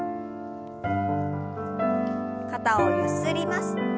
肩をゆすります。